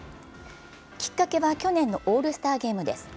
きっかけは、去年のオールスターゲームです。